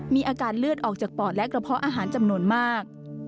มีอาการเลือดออกจากปอดและกระเพาะอาหารจำนวนมาก